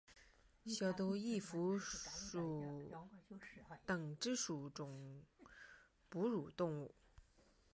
小兜翼蝠属等之数种哺乳动物。